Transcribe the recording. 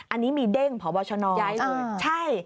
อันนี้มีเด้งพบชนใช่